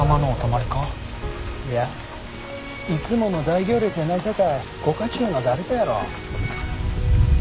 いやいつもの大行列やないさかいご家中の誰かやろ。